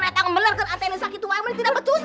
nangis drama banget hidup lo pernah nangis